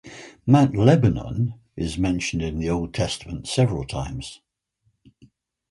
Mount Lebanon is mentioned in the Old Testament several times.